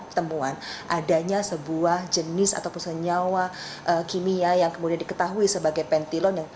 temuan adanya sebuah jenis ataupun senyawa kimia yang kemudian diketahui sebagai pentilon